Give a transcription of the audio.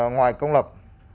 ngoài công lập